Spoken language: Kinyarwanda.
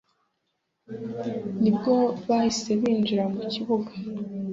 nibwo bahise binjira mu kibuga